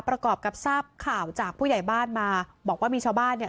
ประกอบกับทราบข่าวจากผู้ใหญ่บ้านมาบอกว่ามีชาวบ้านเนี่ย